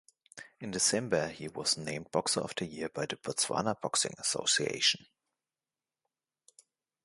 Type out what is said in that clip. In December he was named boxer of the year by the Botswana Boxing Association.